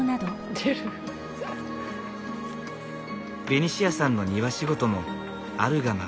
ベニシアさんの庭仕事もあるがままに。